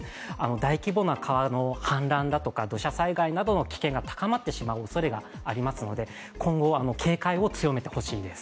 大規模な川の氾濫だとか、土砂災害などの危険が高まってしまうおそれがありますので、今後、警戒を強めてほしいです。